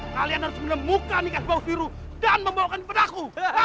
kalian harus mulai memukainikan bau biru dan membawakannya kepada aku